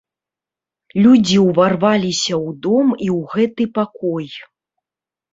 Людзі ўварваліся ў дом і ў гэты пакой.